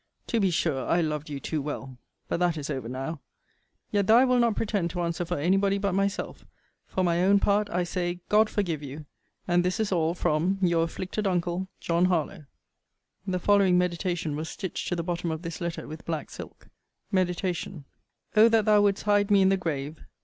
To be sure I loved you too well. But that is over now. Yet, though I will not pretend to answer for any body but myself, for my own part I say God forgive you! and this is all from Your afflicted uncle, JOHN HARLOWE. The following MEDITATION was stitched to the bottom of this letter with black silk. MEDITATION O that thou wouldst hide me in the grave!